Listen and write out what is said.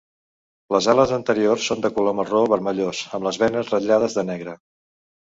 Les ales anteriors són de color marró vermellós amb les venes ratllades de negre.